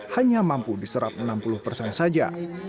hanya mampu diserap enam puluh persen saja